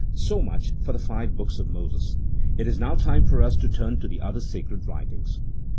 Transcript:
So much for the five books of Moses : it is now time for us to turn to the other sacred writings.